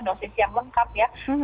dosis yang lengkap ya